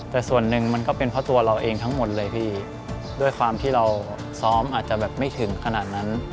แต่ส่วนหนึ่งมันก็เป็นเพราะตัวเราเองทั้งหมดเลยพี่ด้วยความที่เราซ้อมอาจจะแบบไม่ถึงขนาดนั้น